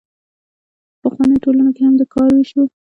په پخوانیو ټولنو کې هم د کار ویش و.